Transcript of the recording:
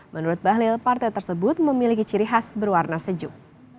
menurut bahlil partai tersebut memiliki ciri khas berwarna sejuk